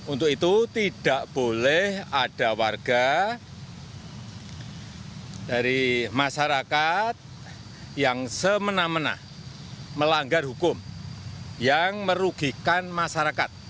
untuk itu tidak boleh ada warga dari masyarakat yang semena mena melanggar hukum yang merugikan masyarakat